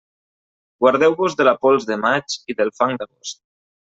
Guardeu-vos de la pols de maig i del fang d'agost.